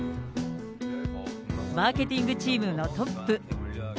マーケティングチームのトップ。